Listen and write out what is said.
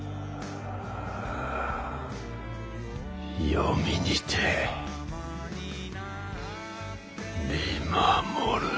黄泉にて見守る。